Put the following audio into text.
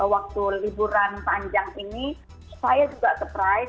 waktu liburan panjang ini saya juga surprise